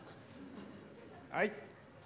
はい。